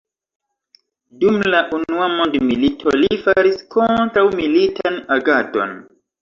Dum la unua mondmilito, li faris kontraŭ-militan agadon.